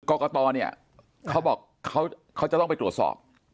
กรกตเนี่ยเขาบอกเขาจะต้องไปตรวจสอบ